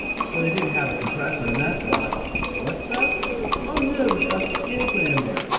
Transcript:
But it didn't have a compressor and that's why ... What stuff? Oh, you know, the stuff that Skinny put in there.